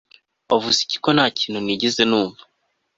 wavuze iki ko ntakintu nigeze numva